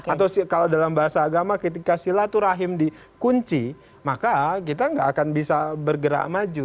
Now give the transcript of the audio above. atau kalau dalam bahasa agama ketika silaturahim dikunci maka kita nggak akan bisa bergerak maju